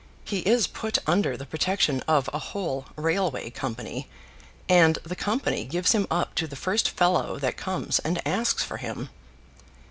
He is put under the protection of a whole railway company, and the company gives him up to the first fellow that comes and asks for him."